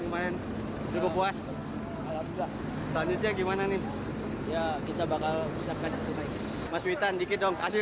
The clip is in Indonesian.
kemarin cukup puas alhamdulillah selanjutnya gimana nih ya kita bakal siapkan mas witan dikit dong kasih